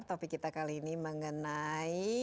topik kita kali ini mengenai